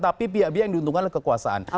tapi pihak pihak yang diuntungkan oleh kekuasaan